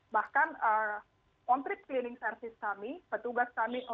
bahkan on trip cleaning service kami petugas kami